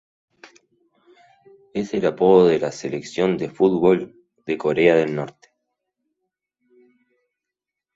Es el apodo de la Selección de fútbol de Corea del Norte.